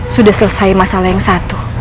sudah selesai masalah yang satu